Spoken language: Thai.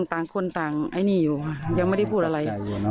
เพราะว่ามีเราอยู่เหมือนอันนี้ไม่น่าต้องฝ่าพุทธ